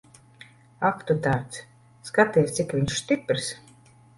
Ak tu tāds. Skaties, cik viņš stiprs.